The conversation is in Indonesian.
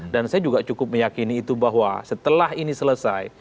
dan saya juga cukup meyakini itu bahwa setelah ini selesai